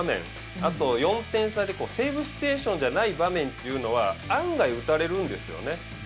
あと４点差でセーブシチュエーションじゃない場面というのは案外打たれるんですよね。